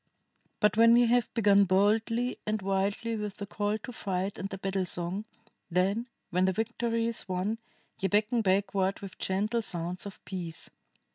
"But, when ye have begun boldly and wildly with the call to fight and the battle song, then, when the victory is won, ye beckon backward with gentle sounds of peace.